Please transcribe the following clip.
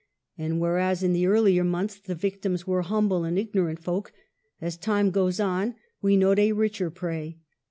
And whereas in the earlier months the victims were humble and ignorant folk, as time goes on we note a richer prey.